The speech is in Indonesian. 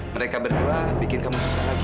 mereka berdua bikin kamu susah lagi